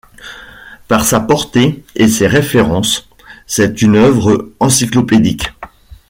Par sa portée et par ses références, c'est une œuvre encyclopédique.